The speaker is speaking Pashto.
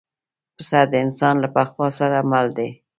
پسه د انسان له پخوا سره مل دی.